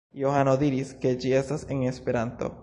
Johano diris, ke ĝi estas en Esperanto.